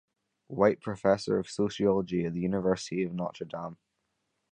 White Professor of Sociology at the University of Notre Dame.